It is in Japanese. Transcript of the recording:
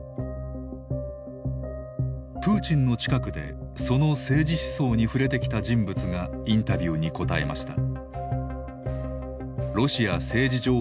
プーチンの近くでその政治思想に触れてきた人物がインタビューにこたえました。